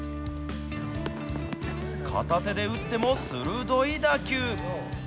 片手で打っても鋭い打球。